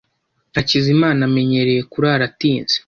Hakizimana amenyereye kurara atinze.